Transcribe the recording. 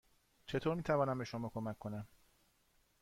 چطور می توانم به شما کمک کنم؟